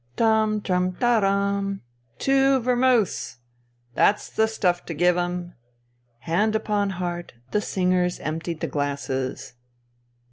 Tam tram taram tam '*" Two vermouths 1 "" That's the stuff to give 'em 1 " Hand upon heart, the singers emptied the glasses.